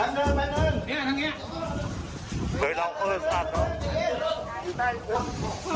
เดี๋ยวร้องเอิ้นสักครั้ง